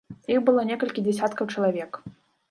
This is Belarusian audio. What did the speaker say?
Іх было некалькі дзясяткаў чалавек.